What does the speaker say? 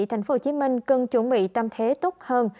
tp hcm cần chuẩn bị tâm thế tốt hơn